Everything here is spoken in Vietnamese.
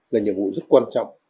là nhiệm vụ rất quan trọng